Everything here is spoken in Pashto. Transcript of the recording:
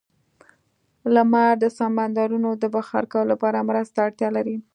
لمر د سمندرونو د بخار کولو لپاره مرستې ته اړتیا لري.